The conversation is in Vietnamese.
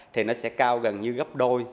thì nó sẽ cao gần như gấp đôi